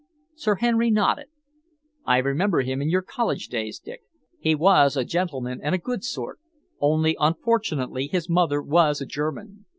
Sir Henry nodded. "I remember him in your college days, Dick. He was a gentleman and a good sort, only unfortunately his mother was a German.